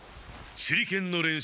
手裏剣の練習！？